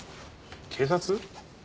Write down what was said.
警察？